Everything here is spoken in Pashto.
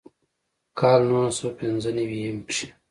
کال نولس سوه پينځۀ نوي يم کښې